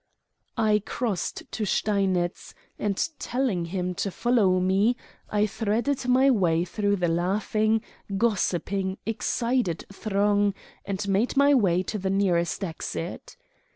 I crossed to Steinitz, and telling him to follow me I threaded my way through the laughing, gossiping, excited throng and made my way to the nearest exit.